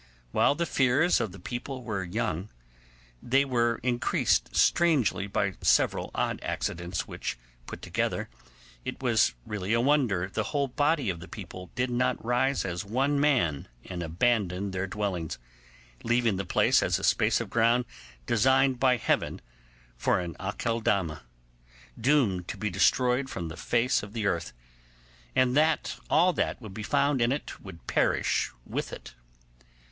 While the fears of the people were young, they were increased strangely by several odd accidents which, put altogether, it was really a wonder the whole body of the people did not rise as one man and abandon their dwellings, leaving the place as a space of ground designed by Heaven for an Akeldama, doomed to be destroyed from the face of the earth, and that all that would be found in it would perish with it.